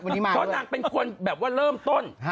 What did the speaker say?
เพราะนางเป็นคนแบบว่าเริ่มต้น